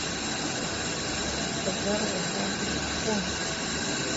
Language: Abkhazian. Рхыԥхьаӡара иаҳа-иаҳа иҵыкәкәон.